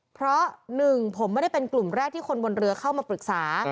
เพราะหนึ่งผมไม่ได้เป็นกลุ่มแรกที่คนบนเรือเข้ามาปรึกษา